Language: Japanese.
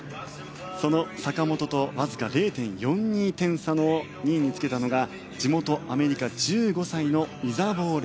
その坂本とわずか０．４２点差の２位につけたのが地元アメリカ１５歳のイザボー・レビト。